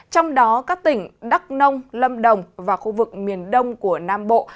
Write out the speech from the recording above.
trong đó các tỉnh đắk nông lâm đồng và khu vực miền đông của nam bộ